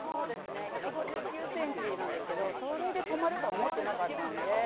１５９ｃｍなんですけどそれで止まるとは思ってなかったんで。